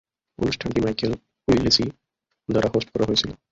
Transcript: অনুষ্ঠানটি Michael Willesee দ্বারা host করা হয়েছিল।